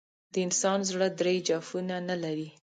د انسان زړه درې جوفونه نه لري.